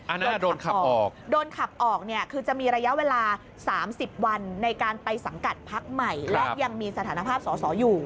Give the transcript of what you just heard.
อันนี้โดนขับออกโดนขับออกเนี่ยคือจะมีระยะเวลา๓๐วันในการไปสังกัดพักใหม่และยังมีสถานภาพสอสออยู่